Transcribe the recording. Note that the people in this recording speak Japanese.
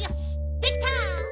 できた！